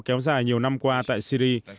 kéo dài nhiều năm qua tại syri